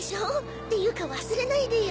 っていうか忘れないでよ。